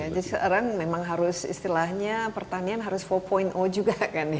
jadi sekarang memang harus istilahnya pertanian harus empat juga